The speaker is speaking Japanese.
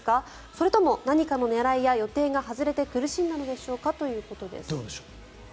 それとも何かの狙いや予定が外れて苦しんだのでしょうかということです。